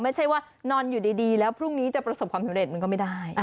ไม่ใช่ว่านอนอยู่ดีแล้วพรุ่งนี้จะประสบความสำเร็จมันก็ไม่ได้